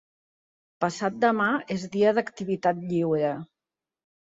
Passat-demà és dia d'activitat lliure.